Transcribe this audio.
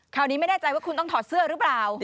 ไม่แน่ใจว่าคุณต้องถอดเสื้อหรือเปล่า